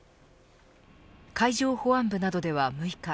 海上保安部などでは６日